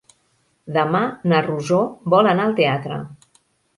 Demà na Rosó vol anar al teatre.